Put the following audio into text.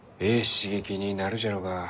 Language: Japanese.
刺激になるじゃろうが。